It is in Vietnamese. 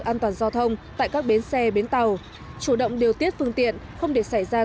an toàn giao thông tại các bến xe bến tàu chủ động điều tiết phương tiện không để xảy ra